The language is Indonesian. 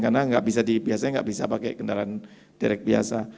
karena biasanya enggak bisa pakai kendaraan direct biasa